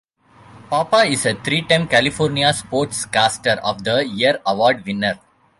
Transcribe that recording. Papa is a three-time California Sportscaster of the Year Award winner.